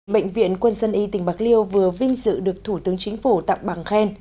bệnh viện quân dân y tỉnh bạc liêu vừa vinh dự được thủ tướng chính phủ tặng bằng khen